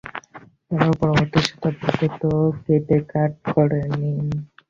তারপর পরবর্তী শতাব্দীতে তা কেটে কাঠ করে নেন।